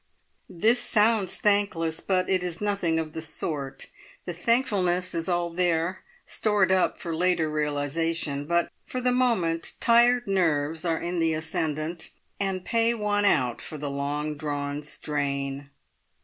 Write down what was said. This sounds thankless, but it is nothing of the sort; the thankfulness is all there, stored up for later realisation, but for the moment tired nerves are in the ascendant, and pay one out for the long drawn strain.